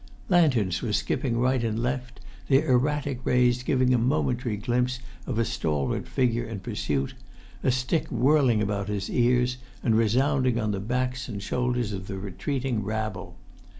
[Pg 39]Lanterns were skipping right and left, their erratic rays giving momentary glimpses of a stalwart figure in pursuit, a stick whirling about his ears, and resounding on the backs and shoulders of the retreating rabble.